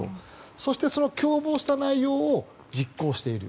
そして、その共謀した内容を実行している。